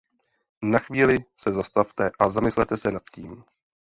Na chvíli se zastavte a zamyslete se nad tím.